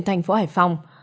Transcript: thành phố hải phòng